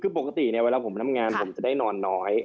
คือปกติเนี่ยเวลาผมทำงานผมจะได้นอนน้อย